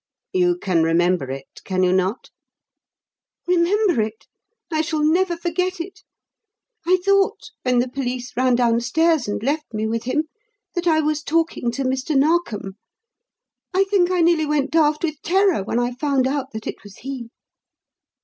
You can remember it, can you not?" "Remember it? I shall never forget it. I thought, when the police ran down stairs and left me with him, that I was talking to Mr. Narkom. I think I nearly went daft with terror when I found out that it was he."